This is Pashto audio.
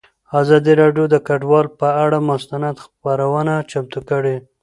ازادي راډیو د کډوال پر اړه مستند خپرونه چمتو کړې.